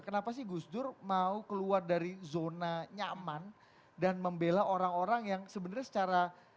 kenapa sih gus dur mau keluar dari zona nyaman dan membela orang orang yang sebenarnya secara